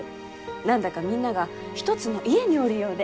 何だかみんなが一つの家におるようで。